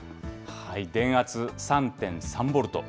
電圧３．３ボルト。